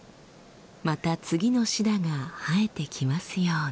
また次のシダが生えてきますように。